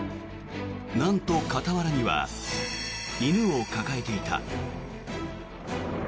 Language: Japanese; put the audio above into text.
なんと傍らには犬を抱えていた。